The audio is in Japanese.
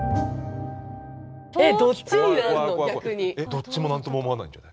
どっちも何とも思わないんじゃない？